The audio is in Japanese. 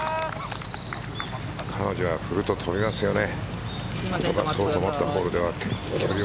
彼女は振ると飛びますよね。